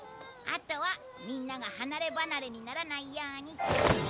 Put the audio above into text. あとはみんなが離ればなれにならないように。